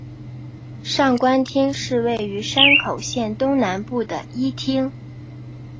上关町是位于山口县东南部的一町。